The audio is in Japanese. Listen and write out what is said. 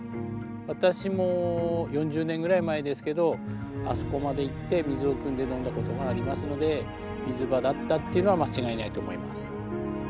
私も４０年ぐらい前ですけどあそこまで行って水をくんで飲んだことがありますので水場だったというのは間違いないと思います。